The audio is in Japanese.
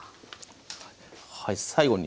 はい。